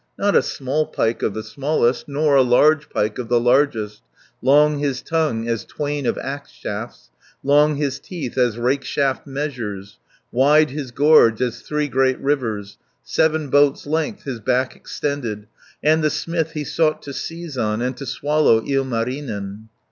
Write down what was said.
Not a small pike of the smallest, Nor a large pike of the largest; Long his tongue as twain of axe shafts, Long his teeth as rake shaft measures, Wide his gorge as three great rivers, Seven boats' length his back extended, 230 And the smith he sought to seize on, And to swallow Ilmarinen.